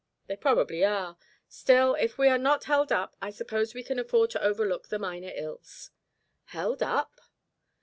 "They probably are. Still, if we are not held up, I suppose we can afford to overlook the minor ills." "Held up?"